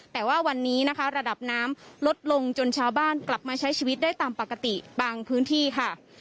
แต่ว่าวันนี้นะคะระดับน้ำลดลงจนชาวบ้านกลับมาใช้ชีวิตได้ตามปกติบางพื้นที่ค่ะ